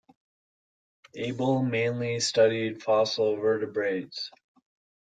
Abel mainly studied fossil vertebrates.